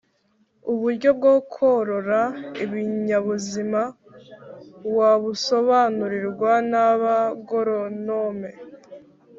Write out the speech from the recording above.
uburyo bwo korora ibinyabuzima wabusobanurirwa naba goronome